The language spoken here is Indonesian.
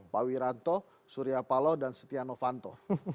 pak wiranto surya paloh dan setia novanto